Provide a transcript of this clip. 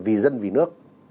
vì dân vì nước